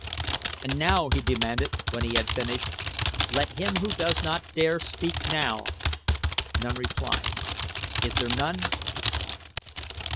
"And now," he demanded, when he had finished, "let him who does not dare speak now." None replied. "Is there none?"